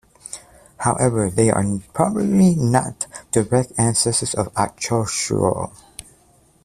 However, they are probably not direct ancestors of archosaurs.